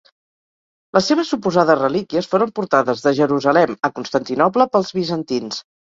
Les seves suposades relíquies foren portades de Jerusalem a Constantinoble pels bizantins.